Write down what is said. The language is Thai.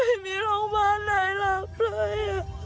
ไม่มีโรงพยาบาลในหลับเลย